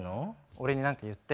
俺に何か言って。